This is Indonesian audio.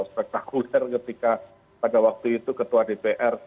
spektakuler ketika pada waktu itu ketua dpr